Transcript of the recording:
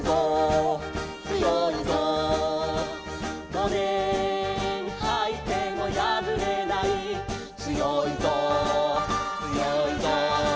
「ごねんはいてもやぶれない」「つよいぞつよいぞ」